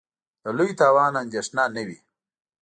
د لوی تاوان اندېښنه نه وي.